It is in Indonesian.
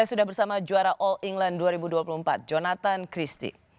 saya sudah bersama juara all england dua ribu dua puluh empat jonathan christie